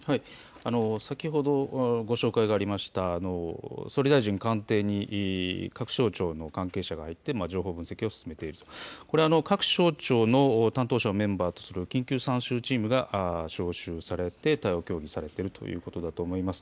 先ほどご紹介がありました総理大臣官邸に各省庁の関係者が来て情報の分析を進めている、これは各省庁の担当者のメンバーと緊急参集チームが招集されて対応が協議されているということだと思います。